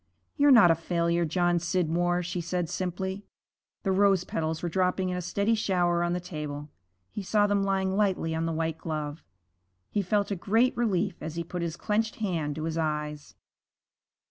'You're not a failure, John Scidmore,' she said simply. The rose petals were dropping in a steady shower on the table. He saw them lying lightly on the white glove. He felt a great relief as he put his clenched hand to his eyes.